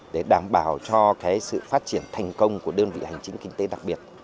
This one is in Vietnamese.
để đảm bảo cho sự phát triển thành công của đơn vị hành chính kinh tế đặc biệt